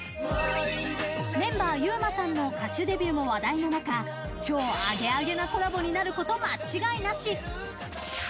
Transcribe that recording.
メンバー・ゆうまさんの歌手デビューも話題の中超アゲアゲなコラボになること間違いなし。